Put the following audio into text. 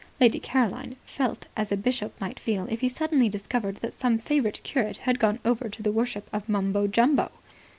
Lady Caroline felt as a bishop might feel if he suddenly discovered that some favourite curate had gone over to the worship of Mumbo Jumbo.